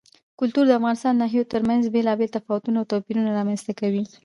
کلتور د افغانستان د ناحیو ترمنځ بېلابېل تفاوتونه او توپیرونه رامنځ ته کوي.